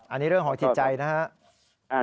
อันนี้เรื่องของจิตใจนะครับ